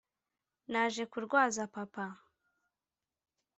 naje kurwaza papa